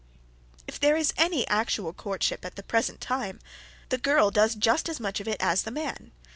If there is any actual courtship at the present time, the girl does just as much of it as the man.